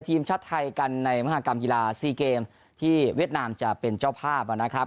ทีมชาติไทยกันในมหากรรมกีฬา๔เกมที่เวียดนามจะเป็นเจ้าภาพนะครับ